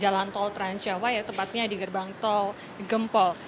jalan tol transjawa ya tepatnya di gerbang tol gempol